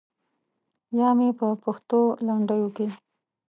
یا مې په پښتو لنډیو کې.